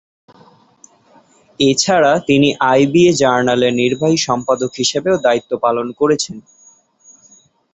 এছাড়া তিনি আইবিএ জার্নালের নির্বাহী সম্পাদক হিসেবেও দায়িত্ব পালন করেছেন।